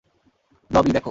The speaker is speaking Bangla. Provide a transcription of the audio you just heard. ব্লবি, দেখো।